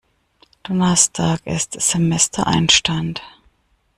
Donnerstag ist Semestereinstand.